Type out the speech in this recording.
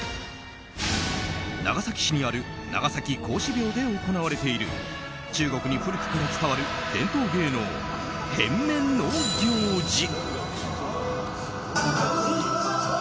長崎市にある長崎孔子廟で行われている中国に古くから伝わる伝統芸能変面の行事。